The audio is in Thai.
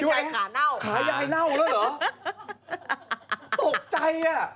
คิดว่าอะไรขายายเหน้าแล้วหรอตกใจอ่ะ